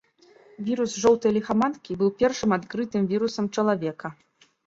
Вірус жоўтай ліхаманкі быў першым адкрытым вірусам чалавека.